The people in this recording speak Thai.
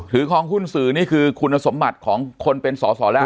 คลองหุ้นสื่อนี่คือคุณสมบัติของคนเป็นสอสอแล้ว